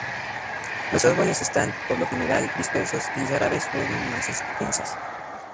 Los árboles están, por lo general, dispersos y rara vez forman masas densas.